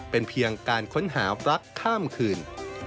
เป็นเพียงการค้นหารักข้ามคืน